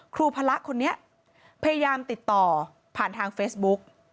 พระคนนี้พยายามติดต่อผ่านทางเฟซบุ๊ก